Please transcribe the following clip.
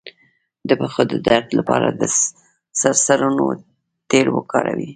د پښو د درد لپاره د سرسونو تېل وکاروئ